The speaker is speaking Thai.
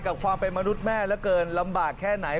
ความเป็นมนุษย์แม่เหลือเกินลำบากแค่ไหน